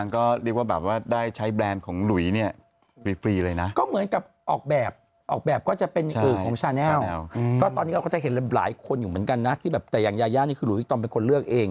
ก็ตอนนี้เราก็จะเห็นหลายคนอยู่เหมือนกันนะแต่อย่างยายาเนี่ยคือหลุยธรรมเป็นคนเลือกเอง